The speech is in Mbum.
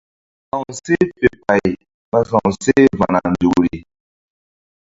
Sa̧wseh fe pay ɓa sa̧wseh va̧na nzukri.